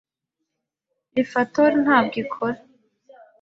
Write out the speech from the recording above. Lifator ntabwo ikora.